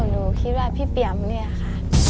หนูคิดว่าพี่เปี่ยมเนี่ยค่ะ